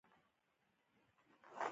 ښه نوم د نسلونو شتمني ده.